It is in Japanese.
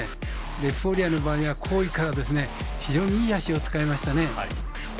エフフォーリアの場合には好位から非常にいい脚を使いましたね。